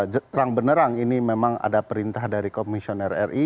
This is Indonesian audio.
terang benerang ini memang ada perintah dari komisioner ri